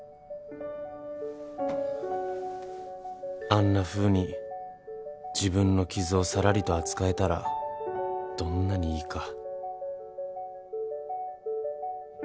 あんなふうに自分の傷をさらりと扱えたらどんなにいいか。